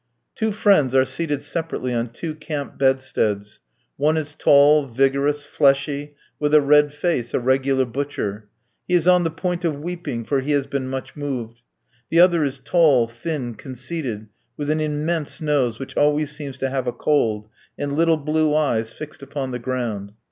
Two friends are seated separately on two camp bedsteads. One is tall, vigorous, fleshy, with a red face a regular butcher. He is on the point of weeping; for he has been much moved. The other is tall, thin, conceited, with an immense nose, which always seems to have a cold, and little blue eyes fixed upon the ground.